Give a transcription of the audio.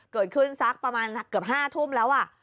เดี๋ยวว่านักจากจะเป๋อ๕ทุ่มแล้วอะ